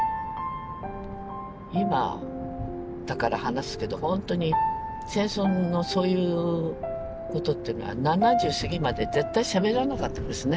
今だから話すけど本当に戦争のそういうことっていうのは７０過ぎまで絶対しゃべらなかったですね。